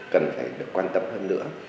cần phải được quan tâm hơn nữa